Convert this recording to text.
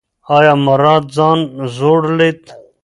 ایا مراد ځان زوړ لید؟